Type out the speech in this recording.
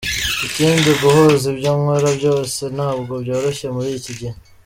Ikindi, guhuza ibyo nkora byose ntabwo byoroshye muri iki gihe.